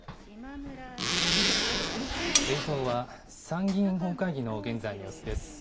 映像は参議院本会議の現在の様子です。